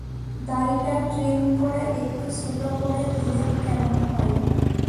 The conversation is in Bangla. দাঁড়িটা ট্রিম করে একটু ছোট করে দিলে কেমন হয়?